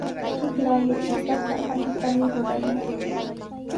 Chiklayupitaqa apitami rurayan.